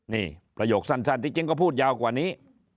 นี่ประโยคสั้นที่จริงก็พูดยาวกว่านี้